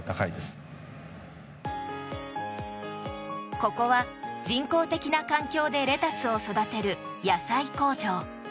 ここは人工的な環境でレタスを育てる野菜工場。